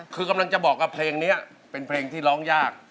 คือกำลังจะบอกว่าเพลงนี้เป็นเพลงที่ร้องยาก